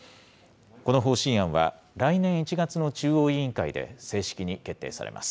この方針案は、来年１月の中央委員会で正式に決定されます。